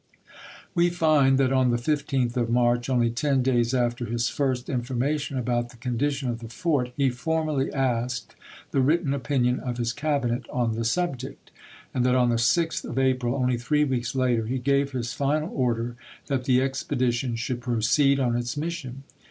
We find that on the 15th of March, only ten isei. days after his first information about the condition 62 ABRAHAM LINCOLN Chap. III. of the fort, he formally asked the written opinion of his Cabinet on the subject ; and that on the 6th of April, only three weeks later, he gave his final order that the expedition should proceed on its mission.